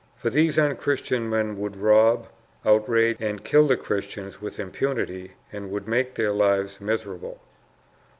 For these unchristian men would rob, outrage, and kill the Christians with impunity and would make their lives miserable.